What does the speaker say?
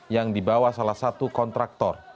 yang dibawa salah satu kontraktor